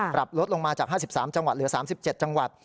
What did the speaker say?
ปรับลดลงมาจาก๕๓จังหวัดเหลือ๓๗จังหวัด